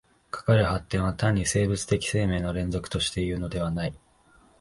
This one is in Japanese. かかる発展は単に生物的生命の連続としてというのではない。